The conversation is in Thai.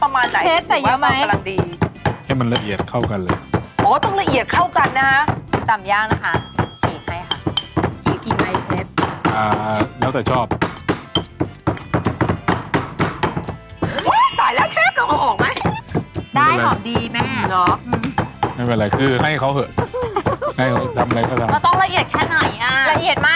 มันจะเรียนให้อ่ะหอมแดงทำให้เราน้ำตาไหล